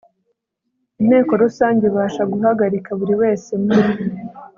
Inteko rusange ibasha guhagarika buri wese mu